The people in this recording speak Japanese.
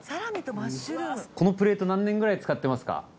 このプレート何年ぐらい使ってますか？